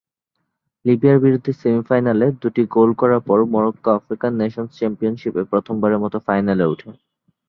লিবিয়ার বিরুদ্ধে সেমি-ফাইনালে দুটি গোল করার পর, মরক্কো আফ্রিকান নেশন্স চ্যাম্পিয়নশিপে প্রথমবারের মতো ফাইনালে উঠে।